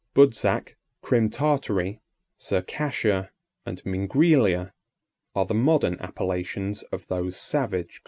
Budzak, Crim Tartary, Circassia, and Mingrelia, are the modern appellations of those savage countries.